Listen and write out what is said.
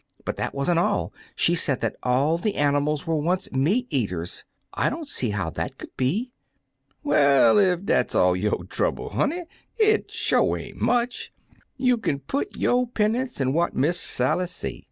But that was n't all : she said that all the animals were once meat eaters. I don't see how that could be." "Well, ef dat's all yo' trouble, honey, it sho' ain't much. You kin put yo' 'pen nunce in what Miss Sally say.